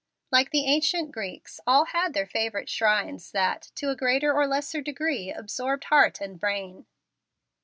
Like the ancient Greeks, all had their favorite shrines that, to a greater or a less degree, absorbed heart and brain.